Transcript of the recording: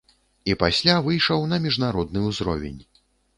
І пасля выйшаў на міжнародны ўзровень.